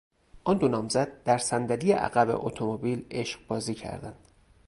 آن دو نامزد در صندلی عقب اتومبیل عشقبازی کردند.